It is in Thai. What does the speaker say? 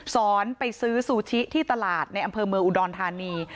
ไปซื้อซูชิที่ตลาดในอำเภอเมืองอุดรธานี